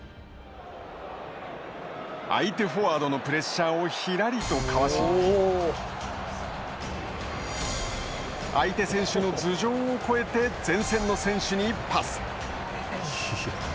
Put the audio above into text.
相手フォワードのプレッシャーをひらりとかわし相手選手の頭上を越えて前線の選手にパス。